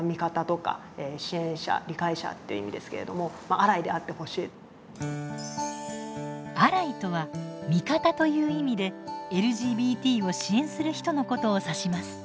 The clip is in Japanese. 小川さんたちに寄せられた声には「アライ」とは「味方」という意味でＬＧＢＴを支援する人のことを指します。